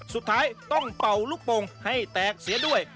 สุดท้ายต้องเป่าลูกโป่งให้แตกเสียด้วย